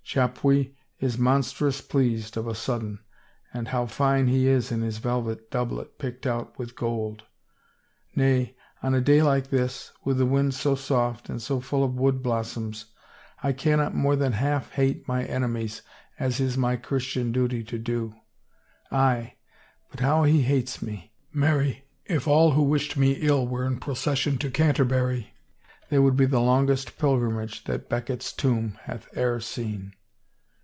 Chapuis is monstrous pleased of a sudden. And how fine he is in his velvet doublet picked out with gold. Nay, on a day like this, with the wind so soft and so full of wood blossoms, I cannot more than 304 RUMORS half hate my enemies as is my Christian duty to do. Aye, but how he hates me. Marry, if all who wished me ill were in procession to Canterbury they would be the longest pilgrimage that Becket's tomb hath e'er seen